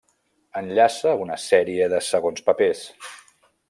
Enllaça una sèrie de segons papers.